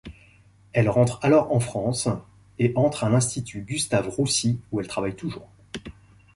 Elle rentre alors en France et entre à l’Institut Gustave-Roussy où elle travaille toujours.